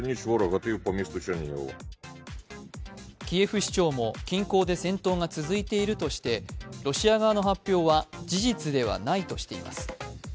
キエフ市長も、近郊で戦闘が続いているとしてロシア側の発表は事実ではないとしています。